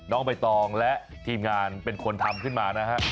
น้องใบตองและทีมงานเป็นคนทำขึ้นมานะฮะ